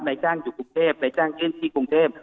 นายจ้างอยู่กรุงเทพนายจ้างขึ้นที่กรุงเทพ